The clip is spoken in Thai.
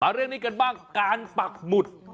เรื่องนี้กันบ้างการปักหมุด